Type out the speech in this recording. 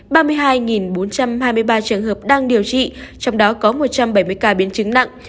ba mươi hai bốn trăm hai mươi ba trường hợp đang điều trị trong đó có một trăm bảy mươi ca biến chứng nặng